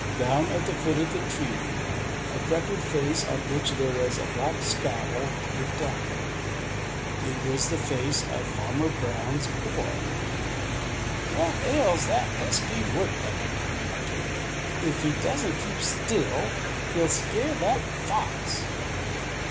Down at the foot of the tree a freckled face on which there was a black scowl looked up. It was the face of Farmer Brown's boy. "What ails that pesky woodpecker?" he muttered. "If he doesn't keep still, he'll scare that fox!"